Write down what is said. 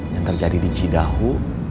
yang terjadi di cidahu